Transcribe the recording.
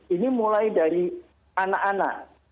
ini mulai dari anak anak